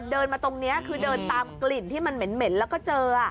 เดินมาตรงนี้คือเดินตามกลิ่นที่มันเหม็นแล้วก็เจอ